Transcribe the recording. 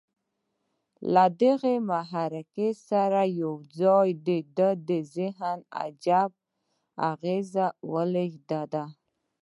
له دغه محرک سره یو ځای د ده ذهن ته عجيبه اغېز ولېږدېد